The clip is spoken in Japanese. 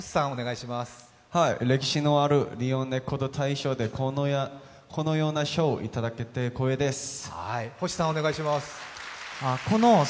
歴史のある日本レコード大賞でこのような賞をいただけて光栄です。